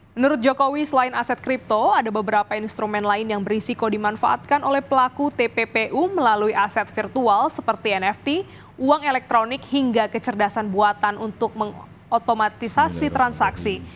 menurut jokowi selain aset kripto ada beberapa instrumen lain yang berisiko dimanfaatkan oleh pelaku tppu melalui aset virtual seperti nft uang elektronik hingga kecerdasan buatan untuk mengotomatisasi transaksi